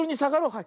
はい。